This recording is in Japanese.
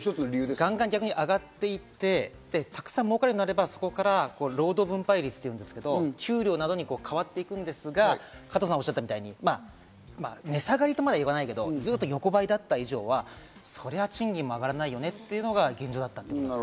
ガンガン上がっていって、たくさん儲かれば、労働分配率という言うんですが、給料などに変わっていくんですが、加藤さんがおっしゃったみたいに、値下がりとまではいわないけど、ずっと横ばいだった以上は、そりゃ賃金も上がらないよねっていうのが現状だったと思います。